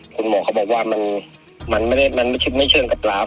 คุณหมอเขาบอกว่ามันไม่ใช่เชิงกับราฟ